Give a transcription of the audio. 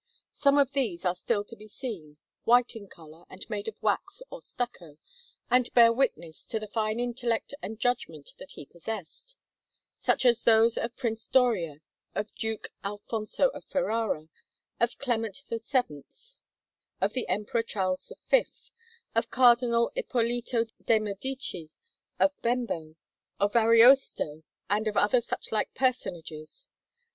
Some of these are still to be seen, white in colour and made of wax or stucco, and bear witness to the fine intellect and judgment that he possessed; such as those of Prince Doria, of Duke Alfonso of Ferrara, of Clement VII, of the Emperor Charles V, of Cardinal Ippolito de' Medici, of Bembo, of Ariosto, and of other suchlike personages.